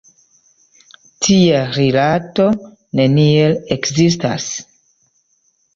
Tia rilato neniel ekzistas!